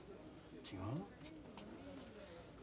違う？